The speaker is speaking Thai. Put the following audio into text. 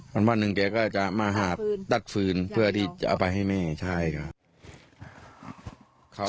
วันนึงแต่แกก็จะมาหาดดัดฟืนเข้าบนกลางดาบแลนจริง